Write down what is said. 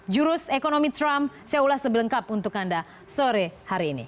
jurus ekonomi trump saya ulas lebih lengkap untuk anda sore hari ini